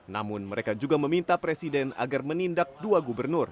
namun mereka juga meminta presiden agar menindak dua gubernur